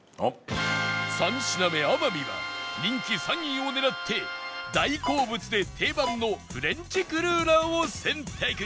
３品目天海は人気３位を狙って大好物で定番のフレンチクルーラーを選択